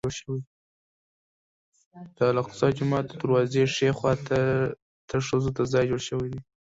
د الاقصی جومات د دروازې ښي خوا ته ښځو ته ځای جوړ شوی.